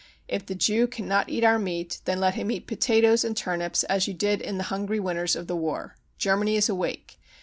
If the Jew cannot eat our meat then let him eat potatoes and turnips as you did in the hungry winters of the war. Germany is awake.